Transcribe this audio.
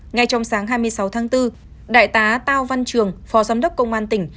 ngay trong sáng hai mươi sáu tháng bốn đại tá cao văn trường phó giám đốc công an tỉnh